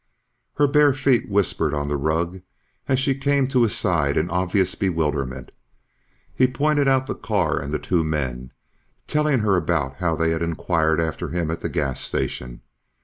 Her bare feet whispered on the rug as she came to his side in obvious bewilderment. He pointed out the car and the two men, telling her about how they had inquired after him at the gas station.